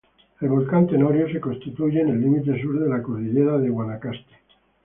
El volcán Tenorio se constituye en el límite sur de la Cordillera de Guanacaste.